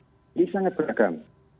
jadi sangat beragam